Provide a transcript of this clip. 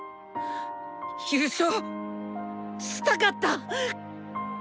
優勝したかった！